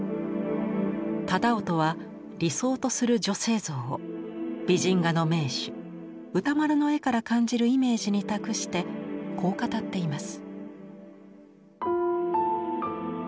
楠音は理想とする女性像を美人画の名手歌麿の絵から感じるイメージに託してこう語っています。